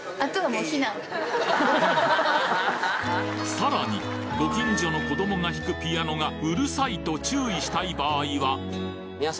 さらにご近所の子どもが弾くピアノがうるさいと注意したい場合は？